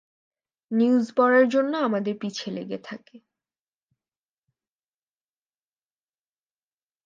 News পড়ার জন্য আমাদের পিছে লেগে থাকে।